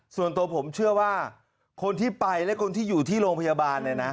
ส่วนตัวผมเชื่อว่าคนที่ไปและคนที่อยู่ที่โรงพยาบาลเนี่ยนะ